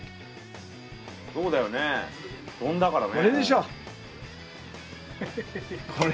そうだよね丼だからね。